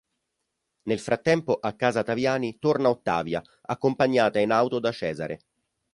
Nel frattempo a casa Taviani torna Ottavia accompagnata in auto da Cesare.